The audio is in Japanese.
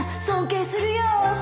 尊敬するよ